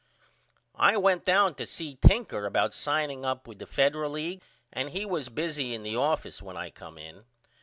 I went down to see Tinker about signing up with the Federal League and he was busy in the office when I come in.